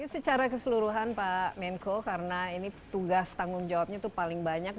secara keseluruhan pak menko karena ini tugas tanggung jawabnya itu paling banyak